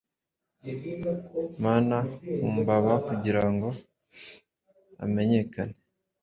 mana Humbaba kugirango amenyekane